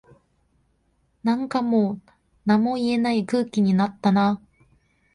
なんかもう何も言えない空気になったな